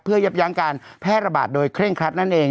เพื่อยับยั้งการแพร่ระบาดโดยเร่งครัดนั่นเอง